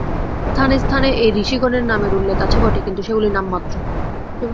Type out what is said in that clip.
স্থানে স্থানে এই ঋষিগণের নামের উল্লেখ আছে বটে, কিন্তু সেগুলি নামমাত্র।